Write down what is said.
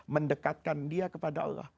mendekatkan dia kepada allah